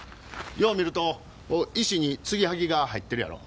よう見ると石に継ぎ接ぎが入ってるやろ？